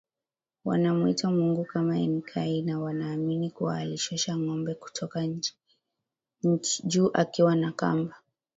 wanamuita Mungu kama Enkai na wanaamini kuwa alishusha ngombe kutoka juu akiwa na kamba